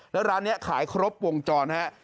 แล้วร้านนี้ขายครบวงจรฮะ